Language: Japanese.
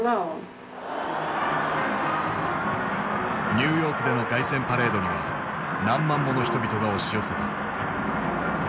ニューヨークでの凱旋パレードには何万もの人々が押し寄せた。